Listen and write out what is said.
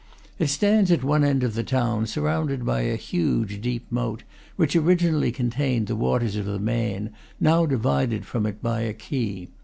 It stands at one end of the town, surrounded by a huge, deep moat, which originally contained the waters of the Maine, now divided from it by a quay.